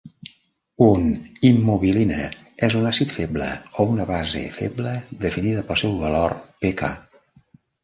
Un "Immobiline" és un àcid feble o una base feble definida pel seu valor pK.